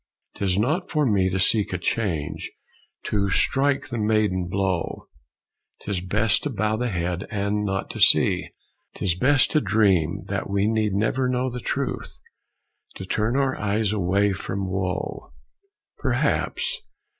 'Tis not for me To seek a change; to strike the maiden blow. 'Tis best to bow the head and not to see; 'Tis best to dream, that we need never know The truth. To turn our eyes away from woe." Perhaps.